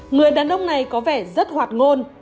người đàn ông này có vẻ rất hoạt ngôn